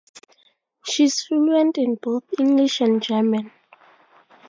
She is fluent in both English and German.